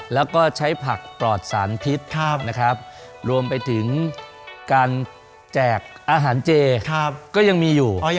แล้วก็ใช้ผักปลอดสารพิษนะครับรวมไปถึงการแจกอาหารเจก็ยังมีอยู่